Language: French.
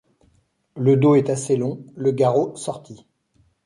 Le dos est assez long, le garrot sorti.